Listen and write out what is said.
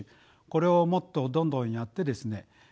これをもっとどんどんやってですね